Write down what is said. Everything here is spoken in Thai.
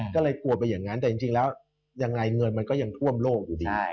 ก็เลยกลัวไปอย่างนั้นแต่จริงแล้วยังไงเงินมันก็ยังท่วมโลกอยู่ดี